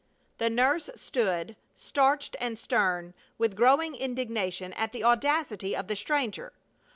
The nurse stood, starched and stern, with growing indignation at the audacity of the stranger.